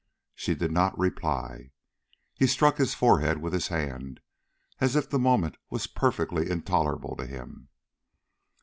She did not reply. He struck his forehead with his hand, as if the moment was perfectly intolerable to him.